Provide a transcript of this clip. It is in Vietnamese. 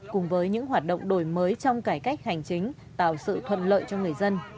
cùng với những hoạt động đổi mới trong cải cách hành chính tạo sự thuận lợi cho người dân